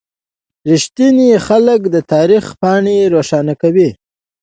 • رښتیني خلک د تاریخ پاڼه روښانه کوي.